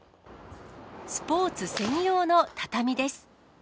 スポーツ専用の畳です。